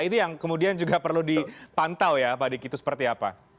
itu yang kemudian juga perlu dipantau ya pak diki itu seperti apa